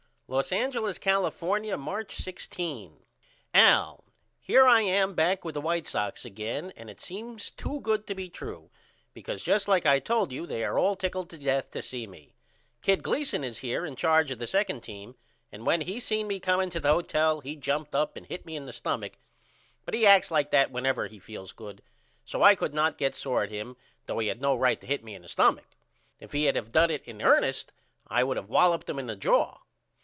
Los Angeles, California, March 16. AL: Here I am back with the White Sox again and it seems to good to be true because just like I told you they are all tickled to death to see me. Kid Gleason is here in charge of the 2d team and when he seen me come into the hotel he jumped up and hit me in the stumach but he acts like that whenever he feels good so I could not get sore at him though he had no right to hit me in the stumach. If he had of did it in earnest I would of walloped him in the jaw.